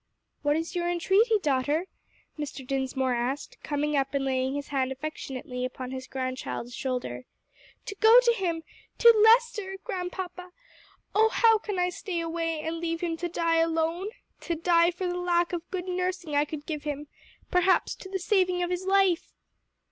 "What is your entreaty, daughter?" Mr. Dinsmore asked, coming up and laying his hand affectionately upon his grandchild's shoulder. "To go to him to Lester, grandpa. Oh, how can I stay away and leave him to die alone? to die for lack of the good nursing I could give him, perhaps to the saving of his life!"